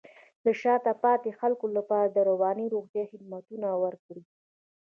د شاته پاتې خلکو لپاره د رواني روغتیا خدمتونه ورکړئ.